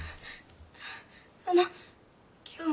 あの今日は。